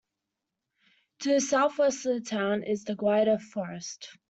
To the south west of the town is the Gwydir Forest.